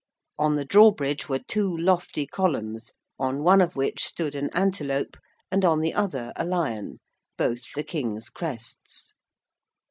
On the drawbridge were two lofty columns, on one of which stood an antelope and on the other a lion both the King's crests.